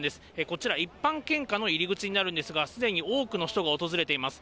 こちら、一般献花の入り口になるんですが、すでに多くの人が訪れています。